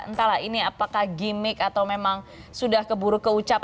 entahlah ini apakah gimik atau memang sudah keburuk keucap